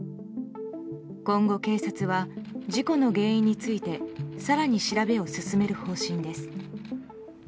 今後、警察は事故の原因について更に調べを進める方針です。